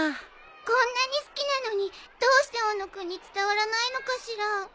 こんなに好きなのにどうして大野君に伝わらないのかしら。